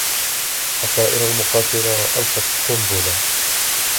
الطائرة المقاتلة ألقت قنبلة.